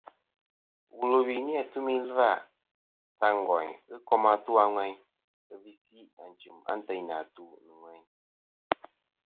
Wul ɨ wi nɨ̀ lum nɨn tumî ɨlvâ sa ngòyn ghɨ kom atu a ŋweyn ɨ visi ànchɨ̀m antêynɨ̀ àtu nɨ̀ ŋweyn.